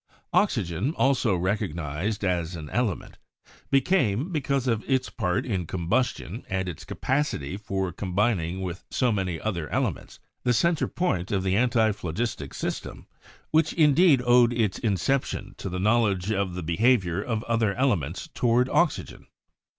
Oxygen, also recognised as an element, became, because of its part in combustion and its capacity for com bining with so many other elements, the center point of the antiphlogistic system, which indeed owed its inception to the knowledge of the behavior of other elements to ward oxygen.